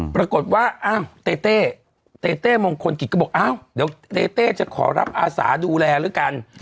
ปรากฏว่าอ้าวเต้เต้เต้มงคลกิจก็บอกอ้าวเดี๋ยวเต้เต้จะขอรับอาสาดูแลแล้วกัน